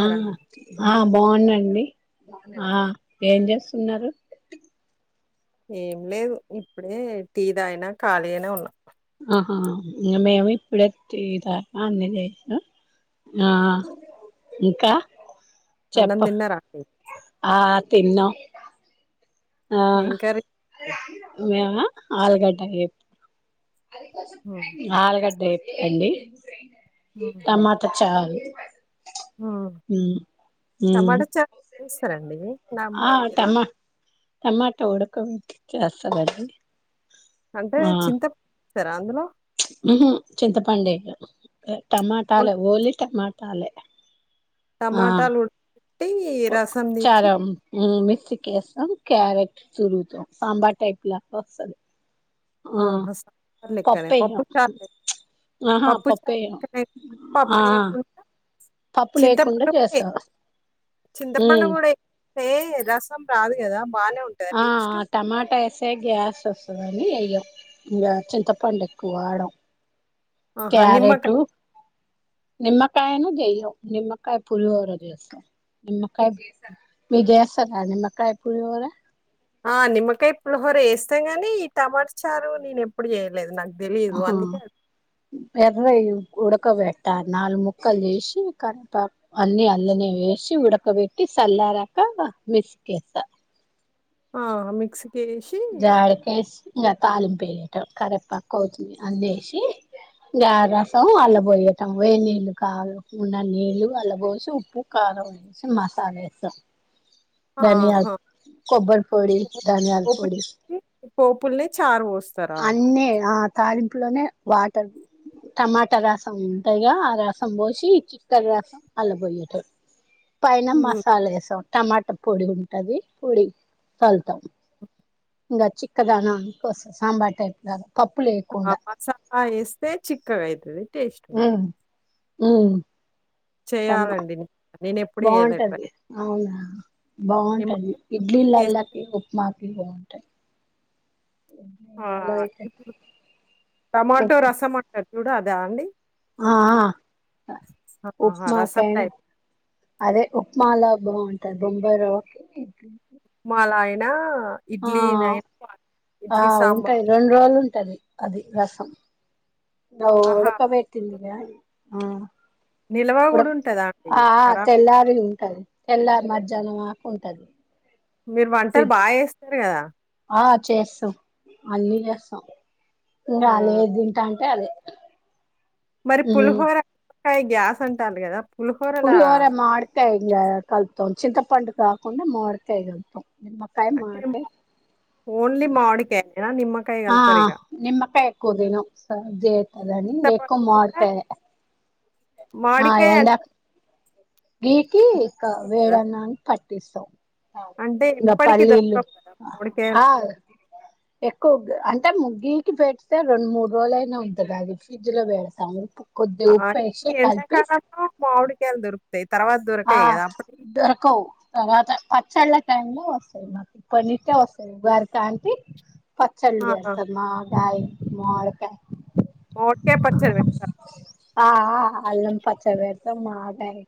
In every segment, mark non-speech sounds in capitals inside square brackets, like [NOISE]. ఆ అండి ఆ బాగున్నాండి ఆ ఏం చేస్తున్నారు ఏం లేదు ఇప్పుడే టీ తాగిన ఖాళీ గనే ఉన్నా ఆహా యమ్మే యమ్మి బిటెక్ టి టా అన్ని చేసిన ఆ ఇంకా అన్నం చెప్పు తిన్నారా అండి ఆ తిన్నమ్ ఎం కర్రీ మేమా ఆలుగడ్డ వేపుడు హ్మ్. ఆలుగడ్డ వే అండి హుహు. హ్మ్. టమాట చాలు హ్మ్. హు హు టమాటా చారు చేస్తారండి నా మదిలో టమాటో ఉడక వేటి చేస్తారండి అంటే ఆ చింత వేసారా అందులో ఉహు చింతపండే టమాటాలె ఓలీ టమాట చాలే టమాటాలుడ్ చారం మేస్ ేస్తాం క్యారెట్ తురుముతాం సాంబార్ టైప్ లాగ వస్తది ఆ ఆహా! సాంబార్ లెక్కనే పప్పు పప్పేసం చారు లెక్క ఆహా పప్పు పప్పే చారు ఏమో లెక్కనే పప్పు ఆ ఆ వేయకుండా పప్పు లేకుండా చింతపండు కూడా ఏ చేస్తా హు ఏ రసం రాదు కదా బానే ఉంటదా ఆ టేస్టు? టమాటా ఎస్సే గ్యాస్ ఒస్ దాని ఏయ్యం ఇంకా చింతపండు ఎక్కువ వాడం ఆహా! నిమ్మకాయ క్యారెటు నిమ్మకాయను జెయ్యం నిమ్కాయ పులువోర జెస్తాం నిమ్మకాయ మీక్ జెయ్యొస్తదా నిమ్మకాయ పులివొర ఆ నిమ్మకాయ పులిహోర వేస్తాం గానీ ఈ టమాటా చారు నేను ఎప్పుడు చేయలేదు నాక్ తెలిదు అందుకే ఎర్రయ్ ఉడకబెట్ట నాలుగు ముక్కలు చేేసి కట్టప్ అన్ని అల్లనే ఏసి ఉడకబెట్టి చల్లారాక మిక్సీ కేస్త ఆ మిక్స జడికేస్ ఇంగ తాలింప్ వేయటం కరీవేపాకు అతుంది అదేసి గ రసం అల్ల పోయటం వేడి నీళ్ళు కా గ ఉన్న నీళ్ళు అల్ల పోసి ఉప్పు కారం వేసి మసాల వేస్తాం ధనియలు ఆహా! కొబ్బరి పొడి ధనియల్ ఒడి పోపుల్నే చార్ పొస్ అన్నీ ఆ తాలింపులోనే వాటర్ టమాటా రసం ఉంటాది గా ఆ రసం పోసి చిక్కటి రసం అల్ల పొయ్యటం పైన హ్మ్. మసాలాలేసం టమాట పొడి ఉంటది పొడి సల్తాం ఇంగ చిక్కదానాన్కోస్ సాంబార్ టైప్ లాగా ఆ మసాలా ఎస్తే చిక్కగాయితది టేస్ట్ హు చేయ్యలండి బాగుంటది అవునా బాగుంటది నిమ్మకాయ పులిహోర చేస్తే ఇడ్లీల్ల్లాకి ఉప్మా బాగుంటాయి హు ఆ! నల్లగైతై ఇప్పుడు టమాటో రసమాంటర్ లుడ అదా అండి ఆ ఆహా! ఉప్మా రసం కైనా టైప్ అదె ఉప్మాల బాగుంట్ బొంబాయ్ రవకీ నా ఆ ఆ ఉంటాయ్ సాంబార్ రెండ్ రోల్ ఉంటది అది రస్ సం నవ్ ఆహా! ఉడకబెట్టింది ఆ నిల్వ పుడ్ కూడా ఉంటదా అండి ఆ ఆ ఖరాబ్ తెల్లారి ఉంటది తెల్లార్ మధ్యాహ్నం ఆకుంటది మీర్ వంటల్ బాగ్ ఏస్తర్ గదా ఆ చేస్తం అన్నీ చేస్తాం ఇంగ ఆ అల్లేద్ దింటాంటే అదే మరి పులిహోర ఐ గ్యాస్ ఉంటాల్ గదా పురిహోర మామిడికాయ్ గా కల్ప్ చింతపండు కాకుండ మామిడికాయ్ గలుప్తాం అంటే ఓన్లిమామిడికాయ్ న నిమ్మ ఆ నిమ్మకాయ ఎక్కువ తినం సర్ది ఐతదనీ ఎక్కువ మామిడికాయె మామిడెకాయ గీకీ ఇక వేడన్నాన్ కట్ పిస్తాం అంటే ఇంగ ఇప్పటికి పల్లీలు దొరకవు కదా మామిడికాయలు ఆ ఎక్కువ్ అంట్ ముగ్గీకి పెడితే రెండ్ మూడ్ రోజులయిన ఉంటది అది ఫ్రిడ్జ్ లో పెడతాము ఆ ఎండకాలము మాడికాయ్ల్ దొరుకుతై ఆ దొరకవు తర్వాత పచ్చళ్ళ టైంలో వస్తది మాక్ ఇప్పనిట్టే వస్తది [INAUDIBLE] పచ్చల్ ఆహా వెడ్తర్ మా గాయ్ మావిడికాయ్ మామిడికాయ పచ్చడి పెడతారా ఆ ఆ అల్లం పచడ్ వె మాగాయ్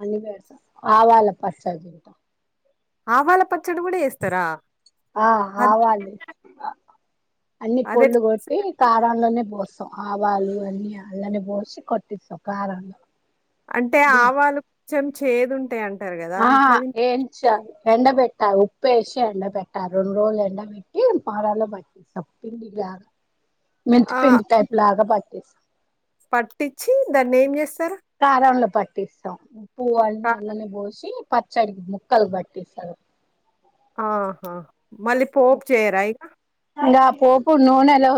అన్ని వెడతం ఆవాల పచ్చడ్ తింటం ఆవాల పచ్ ఆ అది ఆవాలి అన్ని అది పళ్ళు ఎట్లా చేస్తారు కొట్టి కారంలోనే పోస్త ఆవాలు అన్ని అల్లానే బోసి కొటిది సు కారాలు అంటే ఆవాలు కొంచెం చేదు ఉంటాయ్ అం ఆ ఏం చ ఎండ పెట్టారు ఉప్పు వేసి ఎండ పెట్టారు రెండు రోజులు ఎండబెట్టి పారలో బట్టిప్పిండి ఇలాగా మెంతుపిండి టైప్లాగా బక్ పట్టించి దాన్ని ఏం చేస్తారు కారంలో పట్టిస్తాం పూ వాల్ని కా అల్లానే బసి పచ్చడికి ముక్కలు బట్టిస్తారు ఆహా మళ్ళీ పోపు చేరాయిక ఇంకా పోపు నూనెలా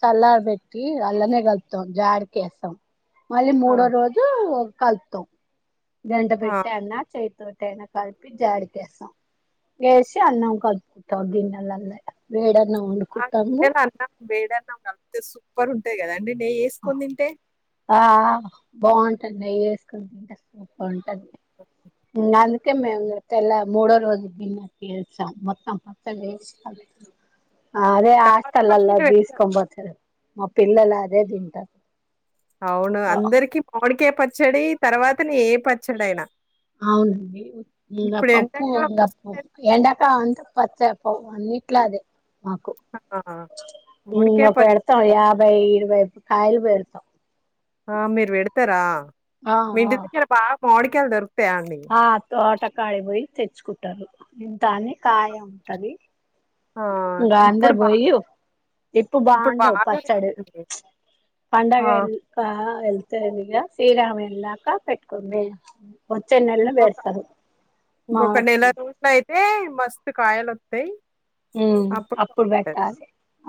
చల్లార్ పెట్టి అల్లనే కలుపుతాం జాడికి వేస్తాం మళ్ళీ ఆ! మూడో రోజు కల్తో గంట ఆ! పెట్టే అన్న చైత తోటనా కలిపి జాడికేస్తాం గేసి అన్నం కలుపుకుంటాం గిన్నెల వేడ అన్నం బేడన్నం కలిపితే సూపర్ ప్పుర్ ఉంటే కద అండి నెయ్యి వేసుకొని తింటే ఆ బాగుంటుంది నెయ్యి వేసుకుని తింటే వంటి ఇంగాలు ఏం లేదు తెల్లారి మూడో రోజు గిన్నెకి వేస్తం మొత్తం మొత్తం అదే టమాటా పచ్చడి హాస్టలల్లో పెడతారు. తీస్కొ బత్తారు మా పిల్లలు అదే తింటారు అవును అందరికి మావిడికి పచ్చడి తర్వాతని ఏ పచ్చడైనా. అవునండి ఇంకా ఇప్పుడు పప్పు ఎండాకాలం వచ్చిందంటే ఎండాకలం పచ్చ అపౌ అన్నిట్లా అదే మాకు ఆ! ఇంక మామిడికాయ పచ్చడి. పెడతాం యాభై ఇరువై కాయలు పేరుతం ఆ మీరు పెడతారా మీ ఇంటి దగ్గర బా మాడికాయలు దొరుక్ హ త ఆటకాలి బోయే తెచ్చ కు ఉంటారు ఇంతనే కాయ ఉంటది ఆ! గ [UNINTELLIGIBLE] గాధ ఇప్పుడు బా పోయ్య ఇప్పు ఇప్పుడు బాండ బాగా పచ్చడి రేటుంది. ఆ! పండగ ఎ వెళతేక శ్రీరామ ఎల్లకా పెట్టుకే ఇంకొక ఇంకొక నెల మార్చి రోట్ల అయితే మస్త కాయలు వస్తాయి హ అప్పుడు బెట్టాలి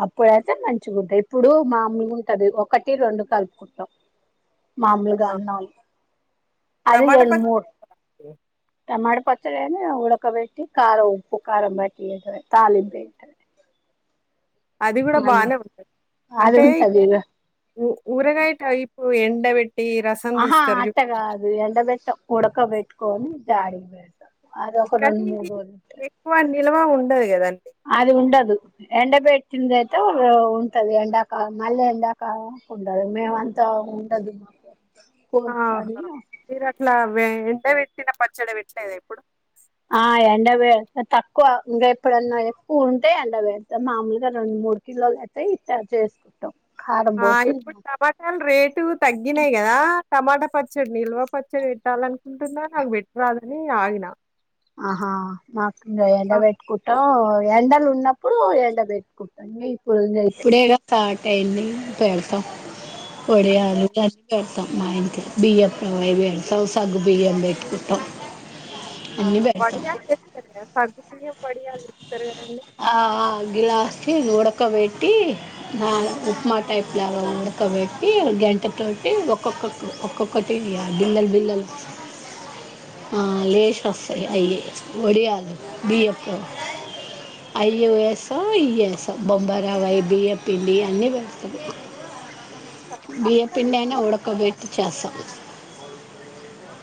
ఇప్పుడైతే మంచిగా ఉంటంది ఇప్పుడు మామీ ఉంటది ఒకటి రెండు కలుపుకుంటాం మామలుగా ఆ! అన్నాళ్ళ అది టమాటా పచ్చడి మూరు చేస్తారా అండి? టమాటా పచ్చడనే ఉడకబెట్టి ఖార ఉప్పు కారం బట్టి ఇదే తాలిబ ఇంటంది అది కూడా బానే ఉంటది అది అంటే ఉంటది ఇట్లాఊ ఇగ ఊరగాయ ఓ ఎండ వెట్ ఆహా ఆట్టగా అదు ఎండబెట్ట ఉడకబెట్కోం జడి వస కది ఎక్కువ నిలవను [UNINTELLIGIBLE] అది ఉండదు ఎండ్డబె తింద అయితే ఉంటది ఎండాక మళ్ళీ ఎండాక ఉండదు మేమ అంతా ఉండదు మాకు కోల్పని ఆహా మీరు అట్లా ఎండ పెట్టిన పచ్చడి పెట్టలేదు ఇప్పుడు ఆ ఎండ వేడతా తక్కువ ఇంకా ఎప్పుడన్నా ఎక్కు ఉంటే ఎండ వేడతా మామూలుగా రెండు మూడు కిలోలు అస్తా ఇ చేసుకుంటాం కారం ఆ ఇప్పుడు పోసి టమాటాలు రేటు తగ్గినాయి్ కదా టమాటా పచ్చడి నిల్య పచ్చడి పెట్టాల అనుకుంటున్న నాకు రాలా న ఆగిన ఆహా నాకు ఎండ ఆ! పెట్ కుట్ట ఎండలు ఉన్నప్పుడు ఎండ పెట్టుకుంటాం ఇప్పుడు ఓకే. ఇప్పుడే స్టార్ట్ అయింది పెడతాం అంటే వీడియాలు [UNINTELLIGIBLE] మా ఇకి బియ [UNINTELLIGIBLE] సగ్గుబియ్యం పెట్టుకుంటం ఆ బాడీగా చేస్తే చాలు పడి యా ఆ ఆ గిలాసు రోడ ఉడక్కబెట్టి నా ఉప్మా టైప్లావ ఉడకబెట్టి గంటే తోటి ఒక్కొక్క ఒక్కొక్కటి బిల్లలు బిల్లలు ఆ లేషస్తయ్ అయి వడియాదు బి అప్ప అయ్యో ఎస్ ఇయస్ బొంబాయి రవ్వ బియ్య పిండి అన్నీ పెడతారు. సగ్గుబియ్యం కంటే బియపిండిఐనా అసలు ఉడకబెట్టి చేస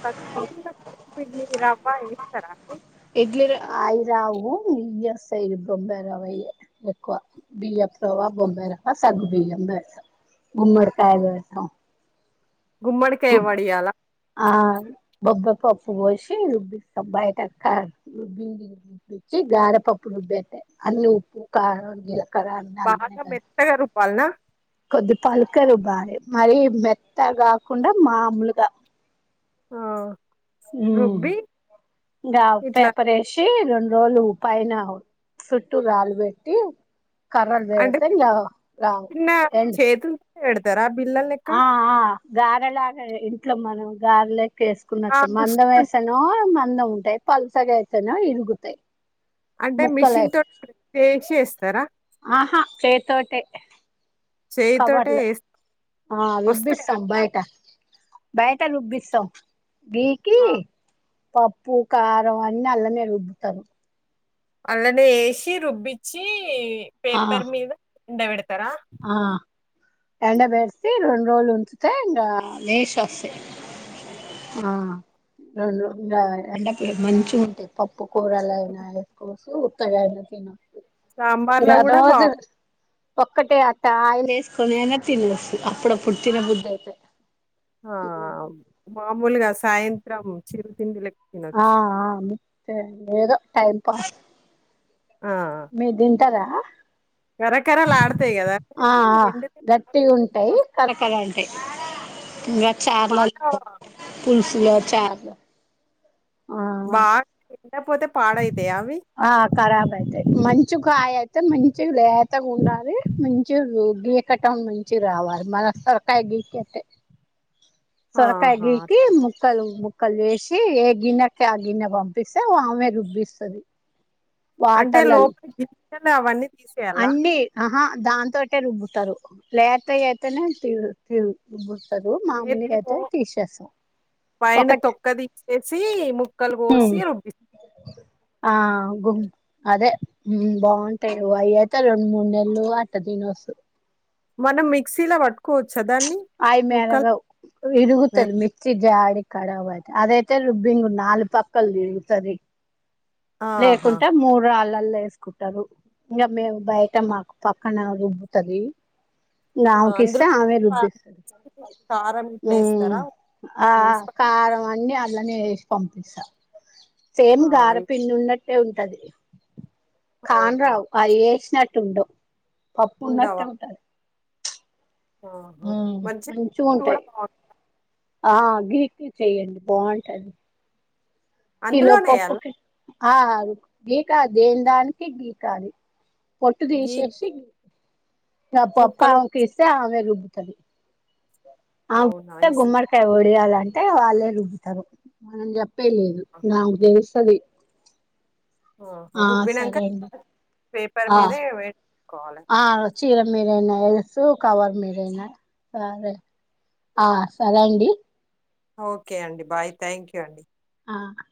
పప్పిడిన పిడ్లి రవ్వ ఇస్తారా అండి ఇడ్లిరు అయి రావు ఇది వస్తాయ్ బొంబై రావయ్య ఎక్కువ బియ్యపు రవ్వా బొంబయి రవ్వ సగ్గు బియ్యంతా గుమ్మడికాయ వతాం గుమ్మడికాయ గుబ్ వడియాలా? ఆ బబ్బ పప్పు పోసి రుబ్బిస్తాం. బయట రుబ్బి రుబ్బచ్చి గారపప్పు రుబ్బేస్తాయి. అన్ని ఉప్పు కారం గి బాగా మెత్తగా రుబ్బాల్ నా కొద్ది పలుకరు భార మరి మెత్తగ కాకుండా మామూలుగా ఆ ఊ రుబ్బి ఇంగ ఇట్లా పేపర ఏసి రెండు రోజులు పైన చుట్టూ రాలు పెట్టి కర్రర్ బే అంటే సరి నా చిన్న రావు ఎం హే ఎడతారాబ్ ఆ ఆ గారేలగా యయ్ ఇంట్లొ మనం గార్లెక్ ఆ! వేసుకున్నట్టు మందం మిషన్ ఉంటది. వేసాను మందం అంటె పల్సగా అయితేనా ఇరుగుతాయ్ అంటే మిషన్ తో చేసి చేస్తారా ఆహా చేత్తోటే చేయితోటే కవర్లు ఏస్ ఆ వస్తాయా రుబ్బిస్తాం అట్లా? బయట బయట రుబ్బిస్తాం. బీకి ఆ! పప్పు కారం అన్ని అల్లనే రుబ్బుతారు. అల్లనే వేసి రుబ్బిచ్చి ఆ పేపర్ మీద ఎండబడతారా ఎండ పెట్టి రెండు రోజులు ఉంచ్చితే ఇంకా నేసి వస్తయ్. ఆ రెండు రోలు ఇంకా ఎండకి మంచిగ ఉంటాయి. పప్పు కూరలుయినా వేసుకోచ్చ ఉత్తగా అయినా తినచ్చు. సాంబార్ లో కూడా బాగు ఒక్కటే అట్ట ఆయిల్ ఏసుకొని అయినా తినొస్తు అప్పుడప్పుడు తినబుద్దైతే ఆ మా మూలుగా సాయంత్రం చిరు తిండిల ఆ ఆ అండి [INAUDIBLE] ఏదో టైం పాస్ ఆ మీరు దిన్ టారా కరకరలాడతాయి కదా ఆ అవి ఎండితే బాగా గట్టిగ ఉంటాయి కరకరన్ తే ఇయ బాగా చార్లైతే పులుసు ఇయ చారు బా [INAUDIBLE] ఆ ఖరాబ్ అయితయ్ మంచుకాయ అయితే మంచి లేతగా ఉండాలి మంచి గీకటం మంచిగ రావాలి మన సొరకాయ గీకట్టే సొరకాయి ఆహా గీకి ముక్కలు ముక్ కల్ వేసి ఏ గిన్నెకి ఆ గిన్న పంపస్తే ఆమె రుబ్బిస్తది అంటే వాటర్లన్ లోపల గింజలు అవన్నీ తీసేయాలా అన్నీ ఆహా దాంతోటే రుబ్బు తారు లేతయ్ ఐతేనే తీరు తీరు రుబ్బు పైన ఒకటి తొక్క తీసేసి ముక్కలు కోసి రుబ్బిస్ ఆ గుబ్ అదే ఉమ్ బావుంటాయి అయ్యయితే రెండు మూడు నెల్లు అట్ట తినోస్సు మనం మిక్సీలో పట్టుకో అయి మెదగవ్ ఇరుగుతది మెత్ మిక్సి జాడి కరాబై అదైతే రుబ్బింగు నాలుగు పక్కలు తిరుగుతది ఆహా లేకుంటే మూడు రాళ్ళ వీల్లే ఏస్కుటరు ఇంకా మేము బయట మాకు పక్కన రుబ్బుతది ఇంక ఆ! ఆమెకిస్తే అందులో ఆమె ప రుబ్బిస్ కారం ఇట్లా హుమ్ వేస్తారా ఆ వేసి ప కారం అని అన్నీ ఆళ్ళనే ఏసి పంపిస్తా సేమ్ ఆ! గారె పిండున్నట్ ట్టే ఉంటాది ఆహా కాన్రావ్ అయ్యేసినట్టుండవ్ పప్పు ఉండవా ఉన్నట్టే ఉంటది ఆహా మంచినీళ్లు కూడా మంచిగుంటాయి బాగుంటాయ్ ఆ గ్రీక్ వి చెయ్యండి బాంటది కిలో అందులోనే ఎయాలా? పప్పుకి ఆ గీకా దేన్దానికి గీకాలి గీకి పొట్టుదీసేసి ఆ ముక్కలు పప్పుఆమె కిస్తే ఆమె రుబ్బు తది ఆ అవునా! ఇసక. గుమ్మడికాయ ఓ చేయాలంటే వాళ్ళే రుబ్బుతారు మనం జప్ తప్పే లేదు నాకదెల్స్ తది ఆహా రుబ్బినంక పేపర్ ఆ మీదే వేస్స్కోవాలి ఆ చీర మీరైనా యస్సు కవర్ మీరైనా సరే ఆ సరే అండి ఓకే అండి బాయ్ థ్యాంక్యూ అండి ఆ